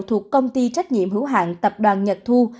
thuộc công ty trách nhiệm hữu hạng tập đoàn nhật thu